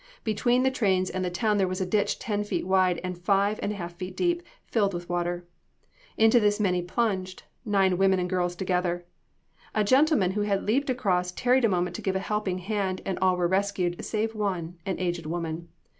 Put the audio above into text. Between the trains and the town there was a ditch ten feet wide, and five and a half feet deep, and filled with water. Into this, many plunged nine women and girls together. A gentleman who had leaped across tarried a moment to give a helping hand, and all were rescued, save one, an aged woman.